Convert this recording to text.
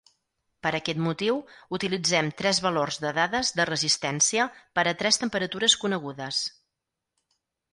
Per aquest motiu, utilitzem tres valors de dades de resistència per a tres temperatures conegudes.